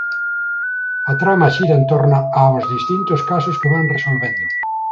A trama xira en torno aos distintos casos que van resolvendo.